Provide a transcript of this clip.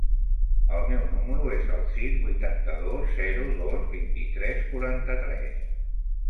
El meu número es el sis, vuitanta-dos, zero, dos, vint-i-tres, quaranta-tres.